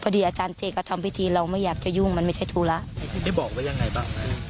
อาจารย์เจก็ทำพิธีเราไม่อยากจะยุ่งมันไม่ใช่ธุระได้บอกว่ายังไงบ้าง